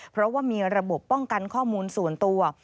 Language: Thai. เพราะว่ามีระบบป้องกันข้อมูลส่วนตัว